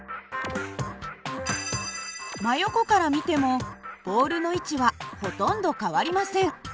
真横から見てもボールの位置はほとんど変わりません。